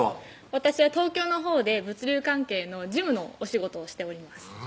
私は東京のほうで物流関係の事務のお仕事をしております